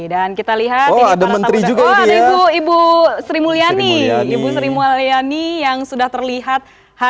dan kita lihat